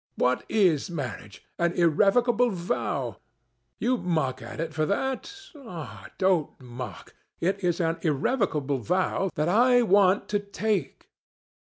What is marriage? An irrevocable vow. You mock at it for that. Ah! don't mock. It is an irrevocable vow that I want to take.